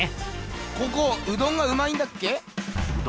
ここうどんがうまいんだっけ？